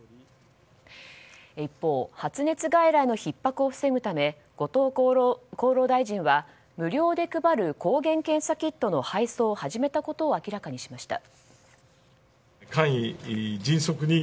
一方、発熱外来のひっ迫を防ぐため後藤厚労大臣は、無料で配る抗原検査キットの配送を始めたことを明らかにしました。